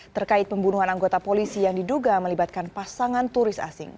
terkait pembunuhan anggota polisi yang diduga melibatkan pasangan turis asing